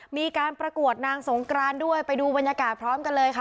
มีการประกวดนางสงกรานด้วยไปดูบรรยากาศพร้อมกันเลยค่ะ